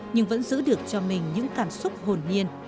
nhưng vẫn giữ được cho mình những cảm xúc hồn nhiên